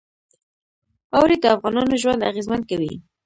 اوړي د افغانانو ژوند اغېزمن کوي.